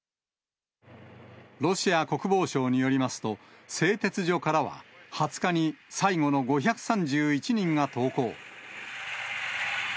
ロシア国防省によりますと、製鉄所からは２０日に最後の５３１人が投降。